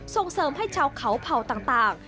ส่งเสริมให้ชาวเขาเผ่าต่าง